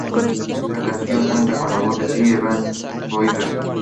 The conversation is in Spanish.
La canción cuenta con la voz de The Everly Brothers.